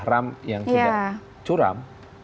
ram yang tidak curam